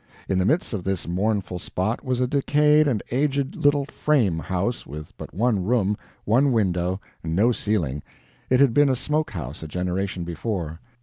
In the midst of this mournful spot was a decayed and aged little "frame" house with but one room, one window, and no ceiling it had been a smoke house a generation before.